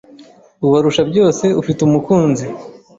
Ubarusha byose ufite umukunzi!